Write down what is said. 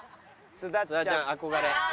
須田ちゃん憧れ。